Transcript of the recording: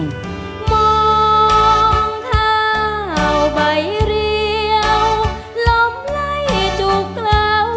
ร้องได้ให้ร้าน